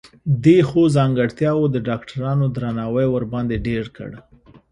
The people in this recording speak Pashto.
دې ښو ځانګرتياوو د ډاکټرانو درناوی ورباندې ډېر کړ.